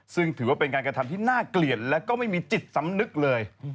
ซึ่งถือว่าเป็นการกระทำที่น่าเกลียดและก็ไม่มีจิตสำนึกเลย